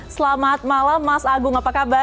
selamat malam mas agung apa kabar